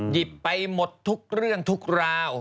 หยิบไปหมดทุกเรื่องทุกราว